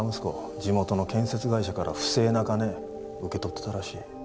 地元の建設会社から不正な金受け取ってたらしい。